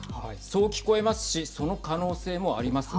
そう聞こえますしその可能性もあります。